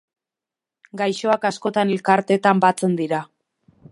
Gaixoak askotan elkarteetan batzen dira.